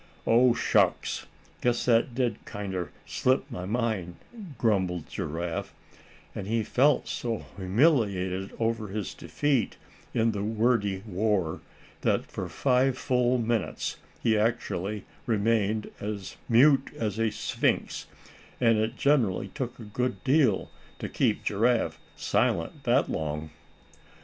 "Oh, shucks! guess that did kinder slip my mind," grumbled Giraffe; and he felt so humiliated over his defeat in the wordy war that for five full minutes he actually remained as mute as the sphinx; and it generally took a good deal to keep Giraffe silent that long.